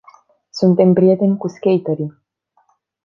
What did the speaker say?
Suntem prieteni cu skaterii.